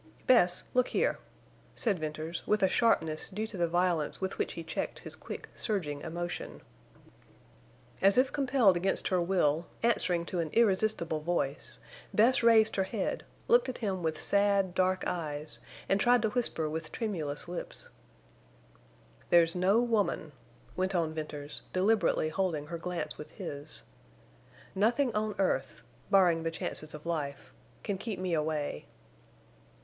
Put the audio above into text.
"Bess—look here," said Venters, with a sharpness due to the violence with which he checked his quick, surging emotion. As if compelled against her will—answering to an irresistible voice—Bess raised her head, looked at him with sad, dark eyes, and tried to whisper with tremulous lips. "There's no woman," went on Venters, deliberately holding her glance with his. "Nothing on earth, barring the chances of life, can keep me away."